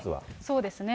そうですね。